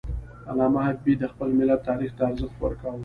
علامه حبیبي د خپل ملت تاریخ ته ارزښت ورکاوه.